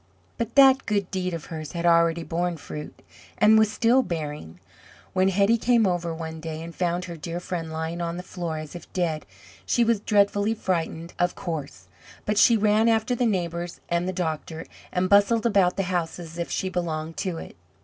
But that good deed of hers had already borne fruit, and was still bearing. When Hetty came over one day, and found her dear friend lying on the floor as if dead, she was dreadfully frightened, of course, but she ran after the neighbours and the doctor, and bustled about the house as if she belonged to it.